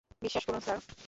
বিশ্বাস করুন, স্যার।